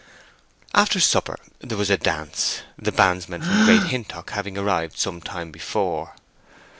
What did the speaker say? After supper there was a dance, the bandsmen from Great Hintock having arrived some time before.